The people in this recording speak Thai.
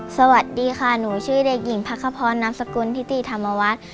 สวัสดีค่ะหนูชื่อเด็กหญิงพักขพรนามสกุลทิติธรรมวัฒน์